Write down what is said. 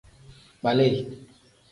Kpali.